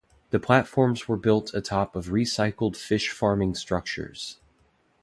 The platforms were built atop of recycled fish farming structures.